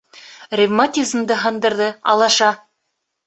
Ревматизымды һындырҙы, алаша!..